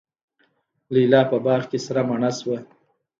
لیلی په باغ کي سره مڼه شوه